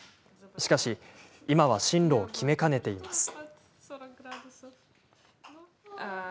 しかし、今は進路を決めかねています。